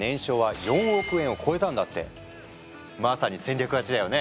まさに戦略勝ちだよね！